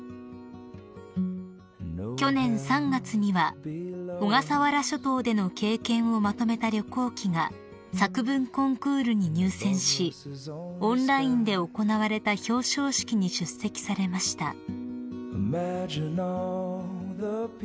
［去年３月には小笠原諸島での経験をまとめた旅行記が作文コンクールに入選しオンラインで行われた表彰式に出席されました］